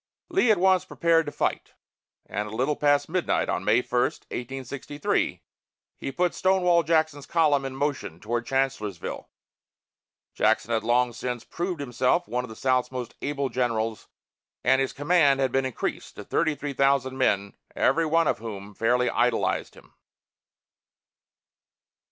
Lee at once prepared to fight, and a little past midnight on May 1, 1863, he put Stonewall Jackson's column in motion toward Chancellorsville. Jackson had long since proved himself one of the South's most able generals, and his command had been increased to thirty three thousand men, every one of whom fairly idolized him.